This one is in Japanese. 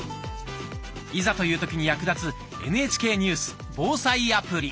いざという時に役立つ「ＮＨＫニュース・防災アプリ」。